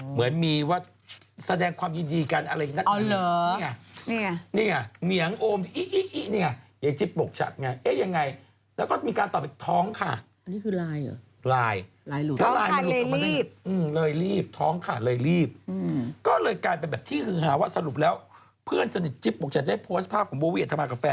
เหมือนมีว่าแสดงความยินดีกันเงี้ย